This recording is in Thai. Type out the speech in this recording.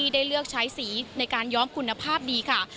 ได้เลือกใช้สีในการย้อมคุณภาพดีค่ะ